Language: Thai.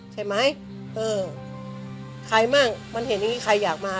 ใช่ไหมเออใครมั่งมันเห็นอย่างนี้ใครอยากมา